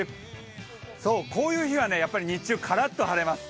こういう日は日中、カラッと晴れます。